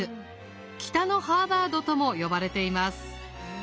北のハーバードとも呼ばれています。